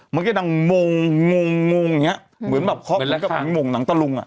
มันก็ดังงงงงงงอย่างเงี้ยเหมือนแบบเคาะเหมือนกับงงหนังตะลุงอ่ะ